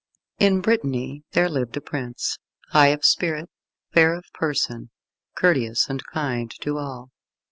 In Brittany there lived a prince, high of spirit, fair of person, courteous and kind to all.